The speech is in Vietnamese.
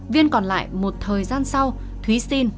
viên còn lại một thời gian sau thúy xin